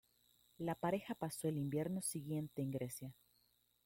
La pareja pasó el invierno siguiente en Grecia.